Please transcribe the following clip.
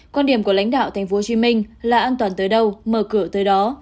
quan điểm của lãnh đạo tp hcm là an toàn tới đâu mở cửa tới đó